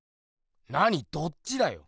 何どっちだよ？